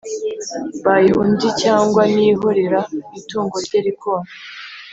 By undi cyangwa niyihorera itungo rye rikona